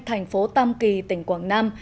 thành phố tam kỳ tỉnh quảng nam